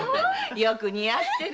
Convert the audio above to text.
よく似合ってる。